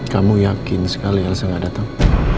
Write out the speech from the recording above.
kamu yakin sekali lsm gak datang